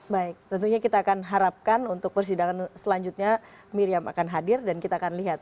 baik tentunya kita akan harapkan untuk persidangan selanjutnya miriam akan hadir dan kita akan lihat